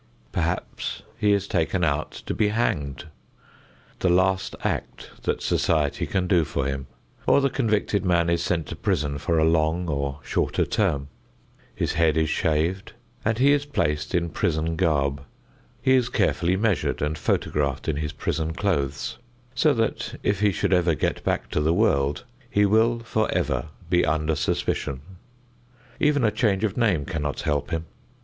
Perhaps he is taken out to be hanged the last act that society can do for him, or the convicted man is sent to prison for a long or shorter term. His head is shaved and he is placed in prison garb; he is carefully measured and photographed in his prison clothes, so that if he should ever get back to the world he will forever be under suspicion. Even a change of name cannot help him.